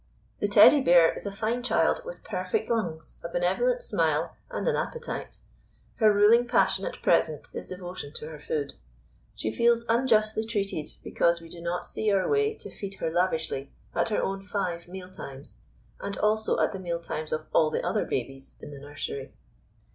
The Teddy bear is a fine child with perfect lungs, a benevolent smile, and an appetite. Her ruling passion at present is devotion to her food. She feels unjustly treated because we do not see our way to feed her lavishly at her own five meal times and also at the meal times of all the other babies in the nursery.